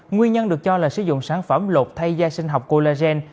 nguyên nhân được cho là sử dụng sản phẩm lột thay da sinh học cologen